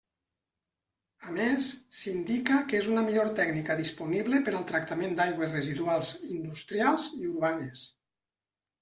A més, s'indica que és una millor tècnica disponible per al tractament d'aigües residuals industrials i urbanes.